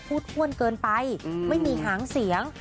อ้วนเกินไปไม่มีหางเสียง